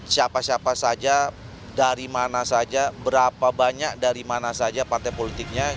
siapa siapa saja dari mana saja berapa banyak dari mana saja partai politiknya